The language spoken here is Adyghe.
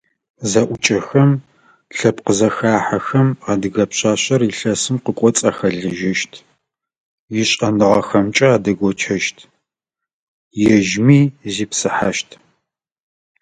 Зэӏукӏэхэм, лъэпкъ зэхахьэхэм адыгэ пшъашъэр илъэсым къыкӏоцӏ ахэлэжьэщт, ишӏэныгъэхэмкӏэ адэгощэщт, ежьми зипсыхьащт.